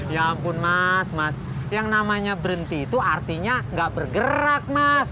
ya ampun mas mas yang namanya berhenti itu artinya nggak bergerak mas